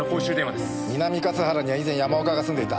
南勝原には以前山岡が住んでいた。